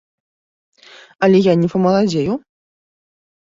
Але я не памаладзею?